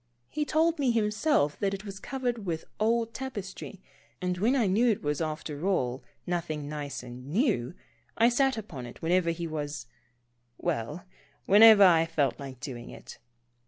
He told me himself that it was covered with old tap estry, and when I knew it was after all, nothing nice and new, I sat upon it whenever he was — well, whenever I felt like doing it.